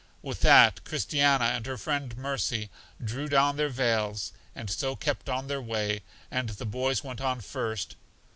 With that, Christiana and her friend Mercy, drew down their veils, and so kept on their way, and the boys went on first.